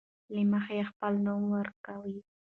له مخې خپل نوم ورکوي.